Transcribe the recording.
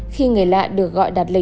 khi người ta có thể tìm được một bố nuôi